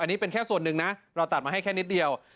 อันนี้เป็นแค่ส่วนหนึ่งนะเราตัดมาให้แค่นิดเดียว